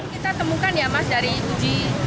kita temukan ya mas dari uji